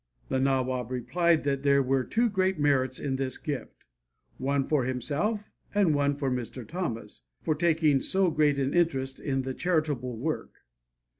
The Nawab replied that there were two great merits in this gift one for himself and one for Mr. Thomas, for taking so great interest in the charitable work.